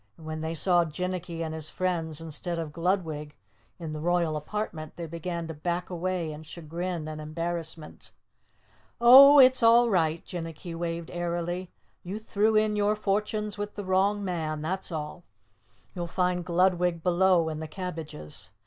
And when they saw Jinnicky and his friends instead of Gludwig in the Royal Apartment they began to back away in chagrin and embarrassment. "Oh, it's all right," Jinnicky waved airily. "You threw in your fortunes with the wrong man, that's all! You'll find Gludwig below in the cabbages.